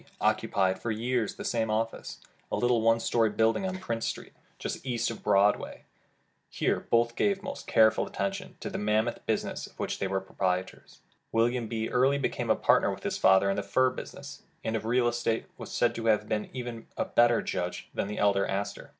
occupied for years the same office, a little one story building on Prince Street, just east of Broadwaj^ Here both gave most careful attention to the mammoth business of 245 The Original John Jacob Astor which they were proprietors. William B. early became a partner with his father in the fur business, and of real estate was said to have been even a better judge than the elder Astor.